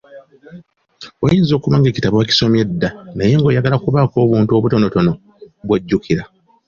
Oyinza okuba ng'ekitabo wakisomye dda naye ng'oyagala kubaako obuntu butonotono bw'ojjukira